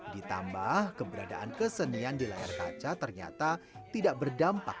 ditambah keberadaan kesenian di layar kaca ternyata tidak berdampak